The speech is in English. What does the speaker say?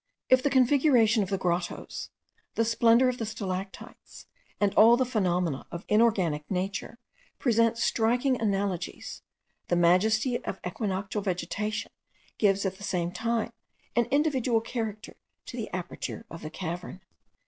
If the configuration of the grottoes, the splendour of the stalactites, and all the phenomena of inorganic nature, present striking analogies, the majesty of equinoctial vegetation gives at the same time an individual character to the aperture of the cavern.